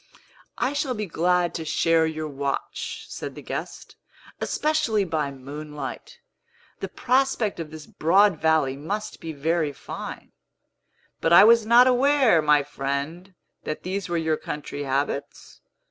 "I shall be glad to share your watch," said the guest; "especially by moonlight. The prospect of this broad valley must be very fine. But I was not aware, my friend, that these were your country habits.